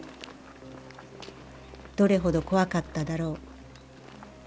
どれほど怖かっただろう。